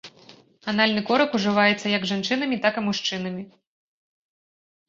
Анальны корак ужываецца як жанчынамі, так і мужчынамі.